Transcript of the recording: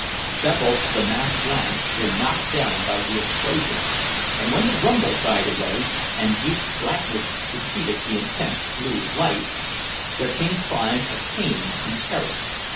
Several of the masked lads were knocked down by the explosion, and when the rumble died away, and deep blackness succeeded the intense blue light, there came cries of pain and terror.